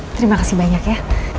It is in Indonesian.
terima kasih banyak ya